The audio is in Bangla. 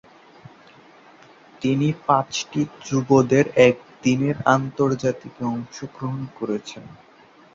তিনি পাঁচটি যুবদের একদিনের আন্তর্জাতিকে অংশগ্রহণ করেছেন।